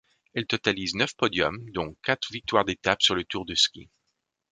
Elle totalise neuf podiums dont quatre victoires d'étapes sur le Tour de ski.